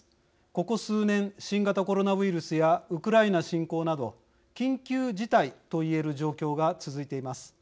ここ数年、新型コロナウイルスやウクライナ侵攻など緊急事態と言える状況が続いています。